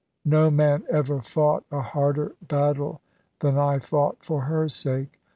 No man ever fought a harder battle than I fought for her sake.